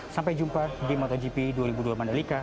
sampai jumpa di motogp dua ribu dua puluh mandalika